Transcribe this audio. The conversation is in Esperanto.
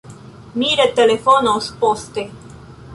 Mi retelefonos poste.